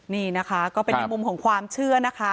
นี่นะคะก็เป็นในมุมของความเชื่อนะคะ